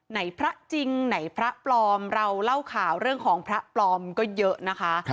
พระจริงไหนพระปลอมเราเล่าข่าวเรื่องของพระปลอมก็เยอะนะคะ